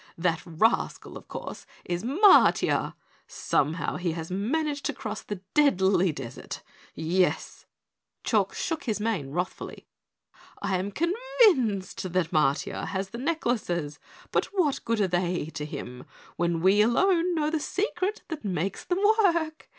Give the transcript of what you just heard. That rascal, of course, is Matiah. Somehow he has managed to cross the Deadly Desert. Yes," Chalk shook his mane wrathfully, "I am convinced that Matiah has the necklaces, but what good are they to him when we alone know the secret that makes them work?